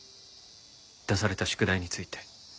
出された宿題について。